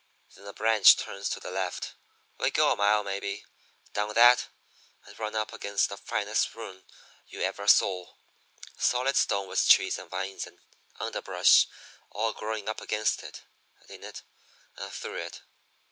Then a branch turns to the left. We go a mile, maybe, down that, and run up against the finest ruin you ever saw solid stone with trees and vines and under brush all growing up against it and in it and through it.